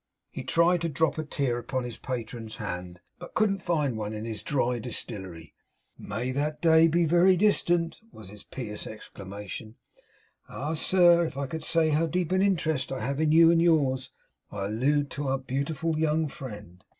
He tried to drop a tear upon his patron's hand, but couldn't find one in his dry distillery. 'May that day be very distant!' was his pious exclamation. 'Ah, sir! If I could say how deep an interest I have in you and yours! I allude to our beautiful young friend.